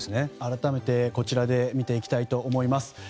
改めて見ていきたいと思います。